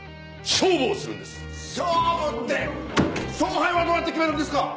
勝敗はどうやって決めるんですか？